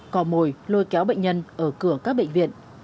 cò mồi lôi kéo bệnh nhân ở cửa các bệnh viện